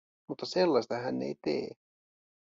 Mutta sellaista hän ei tee.